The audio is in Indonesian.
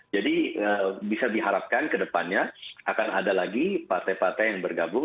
jadi bisa diharapkan ke depannya akan ada lagi partai partai yang bergabung